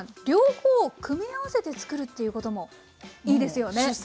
両方を組み合わせて作るということもいいですよね？